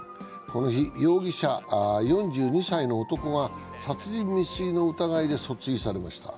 この日、容疑者、４２歳の男が殺人未遂の疑いで訴追されました。